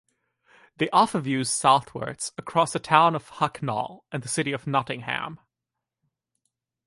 They offer views Southwards across the town of Hucknall, and the City of Nottingham.